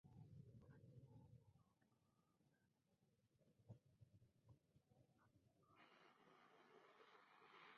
Actualmente Kyle Edmund, Daniel Evans y Cameron Norrie lideran la generación joven.